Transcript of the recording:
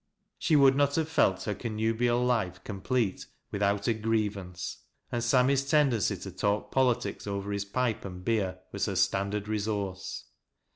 She would not have felt her connubial life com plete without a grievance, and Sammy's tendency to talk politics over his pipe and beer was her standard resource.